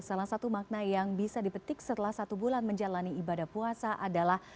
salah satu makna yang bisa dipetik setelah satu bulan menjalani ibadah puasa adalah